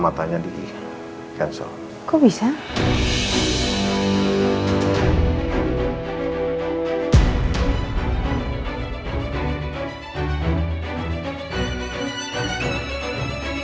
akhirnya aja ke ngerjakan